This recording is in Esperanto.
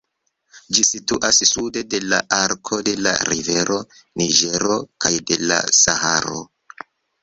Ĝi situas sude de la arko de la rivero Niĝero kaj de la Saharo.